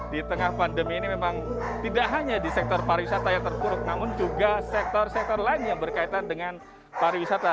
di tengah pandemi ini memang tidak hanya di sektor pariwisata yang terpuruk namun juga sektor sektor lain yang berkaitan dengan pariwisata